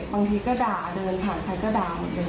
บางทีก็ด่าเดินผ่านใครก็ด่าหมดเลย